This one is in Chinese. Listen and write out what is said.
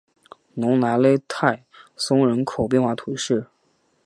隆莱勒泰松人口变化图示